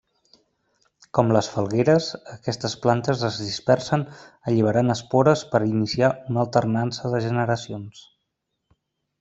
Com les falgueres, aquestes plantes es dispersen alliberant espores per iniciar una alternança de generacions.